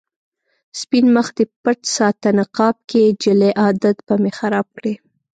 سپين مخ دې پټ ساته نقاب کې، جلۍ عادت به مې خراب کړې